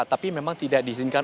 tapi memang tidak diizinkan